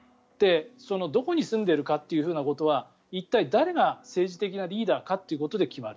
どこに住んでいるかということは一体、誰が政治的なリーダーかということで決まる。